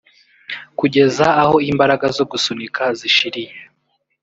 kugeza aho imbaraga zo gusunika zishiriye